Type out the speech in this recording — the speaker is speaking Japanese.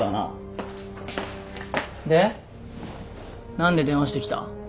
何で電話してきた？